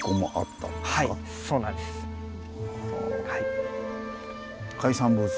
はい。